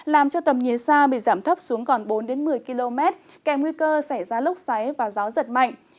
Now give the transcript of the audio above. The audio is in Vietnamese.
làm cho tầm nhìn xa bị giảm thấp xuống còn bốn một mươi km kèm nguy cơ xảy ra lốc xoáy và gió giật mạnh